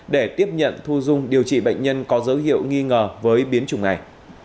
để tiếp nhận thu dung điều trị bệnh nhân có dấu hiệu nghi ngờ với biến chủng này